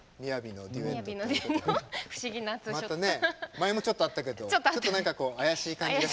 前もちょっとあったけど何かこう妖しい感じがするよね。